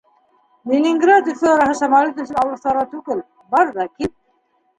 Ленинград - Өфө араһы самолет өсөн алыҫ ара түгел, бар ҙа кил.